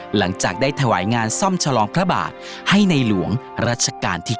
หลังจากได้ถวายงานซ่อมฉลองพระบาทให้ในหลวงรัชกาลที่๙